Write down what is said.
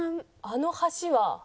あの橋は。